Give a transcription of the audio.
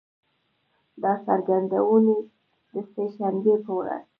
دا څرګندونې د سه شنبې په ورځ